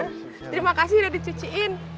terima kasih udah dicuciin